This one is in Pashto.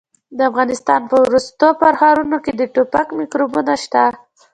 د افغانستان په ورستو پرهرونو کې د ټوپک میکروبونه شته.